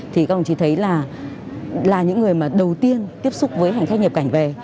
thì các ông chỉ thấy là những người đầu tiên tiếp xúc với hành khách nhập cảnh về